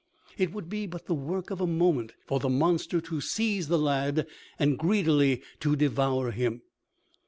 It would be but the work of a moment for the monster to seize the lad and greedily to devour him.